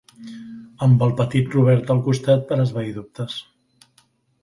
Amb el Petit Robert al costat per esvair dubtes.